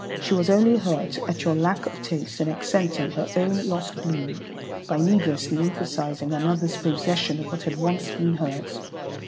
She was only hurt at your lack of taste in accenting her own lost bloom by needlessly emphasizing another's possession of what had once been hers.